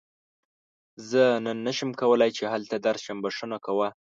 زه نن نشم کولی چې هلته درشم، بښنه کوه.